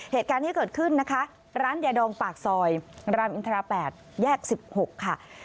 เหตุการณ์ที่เกิดขึ้นนะคะร้านยาดองปากซอยรามอินทรา๘แยก๑๖ค่ะ